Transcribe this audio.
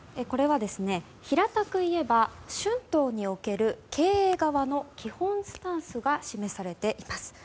平たく言えば、春闘における経営側の基本スタンスが示されています。